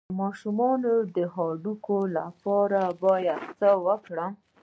د ماشوم د هډوکو لپاره باید څه وکړم؟